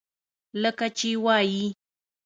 لکه چې وائي: